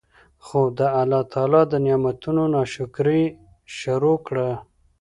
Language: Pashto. خو د الله تعالی د نعمتونو نا شکري ئي شروع کړه